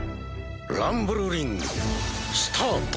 ランブルリングスタート。